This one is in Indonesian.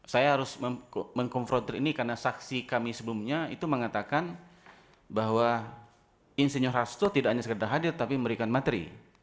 saya harus mengkonfrontir ini karena saksi kami sebelumnya itu mengatakan bahwa insinyur hasto tidak hanya sekedar hadir tapi memberikan materi